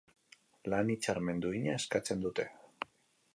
Lan-hitzarmen duina eskatzen dute.